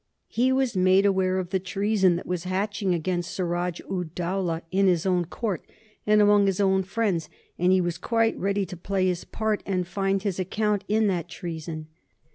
He was made aware of the treason that was hatching against Suraj ud Dowlah in his own court and among his own friends, and he was quite ready to play his part and find his account in that treason.